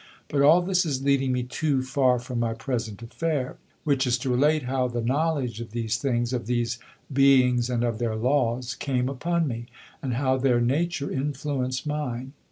But all this is leading me too far from my present affair, which is to relate how the knowledge of these things of these beings and of their laws came upon me, and how their nature influenced mine.